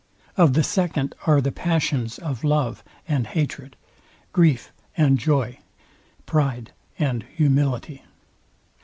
Of the second are the passions of love and hatred, grief and joy, pride and humility.